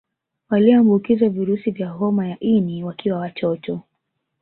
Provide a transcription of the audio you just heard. Waliombukizwa virusi vya homa ya ini wakiwa watoto